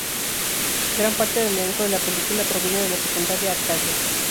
Gran parte del elenco de la película proviene de la Secundaria Arcadia.